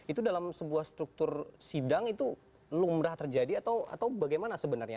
itu dalam sebuah struktur sidang itu lumrah terjadi atau bagaimana sebenarnya